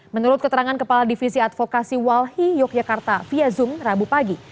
menurut keterangan kepala divisi advokasi walhi yogyakarta via zoom rabu pagi